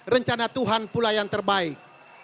rencana tuhan pula yang terbaik